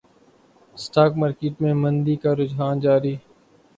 stock market میں مندی کا رجحان جاری